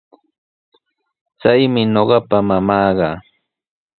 Chaymi ñuqapa mamaaqa.